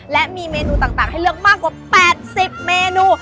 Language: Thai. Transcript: และมีเมนูต่างให้เลือกมากกว่า๘๐เมนู